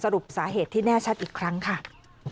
มาถึงครับ